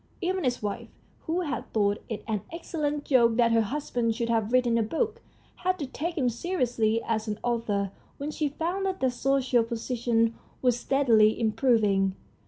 Even his wife, who had thought it an excellent joke that her husband should have written a book, had to take him seriously as an author when she found that their social position was steadily improving.